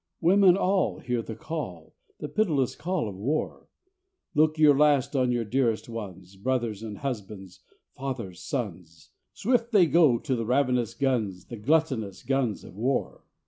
Women all, hear the call, The pitiless call of War! Look your last on your dearest ones, Brothers and husbands, fathers, sons: Swift they go to the ravenous guns, The gluttonous guns of War.